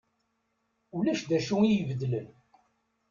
Ulac d acu i ibeddlen.